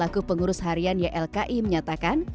selaku pengurus harian ylki menyatakan